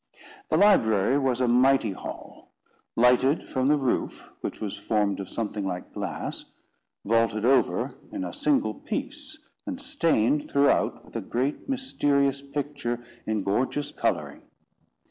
The library was a mighty hall, lighted from the roof, which was formed of something like glass, vaulted over in a single piece, and stained throughout with a great mysterious picture in gorgeous colouring.